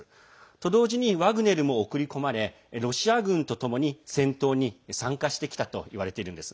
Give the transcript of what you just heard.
と同時にワグネルも送り込まれロシア軍とともに戦闘に参加してきたといわれています。